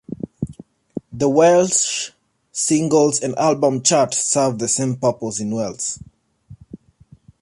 The Welsh Singles and Album Chart served the same purpose in Wales.